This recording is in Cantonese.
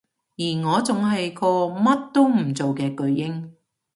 而我仲係個乜都唔做嘅巨嬰